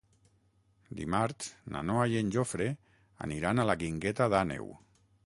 Dimarts na Noa i en Jofre aniran a la Guingueta d'Àneu.